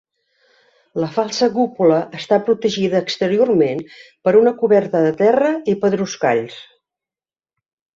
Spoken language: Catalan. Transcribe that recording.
La falsa cúpula està protegida exteriorment per una coberta de terra i pedruscalls.